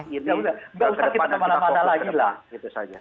tidak usah kita teman teman lagi lah